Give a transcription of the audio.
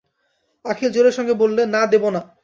অখিল জোরের সঙ্গে বললে, না, দেব না।